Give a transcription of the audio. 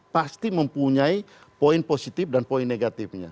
pasti mempunyai poin positif dan poin negatifnya